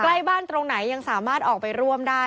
ใกล้บ้านตรงไหนยังสามารถออกไปร่วมได้